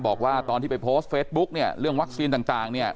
บอกว่าตอนที่ไปโพสต์เฟซบุ๊กเนี่ยเรื่องวัคซีนต่างเนี่ย